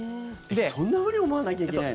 そんなふうに思わなきゃいけないの？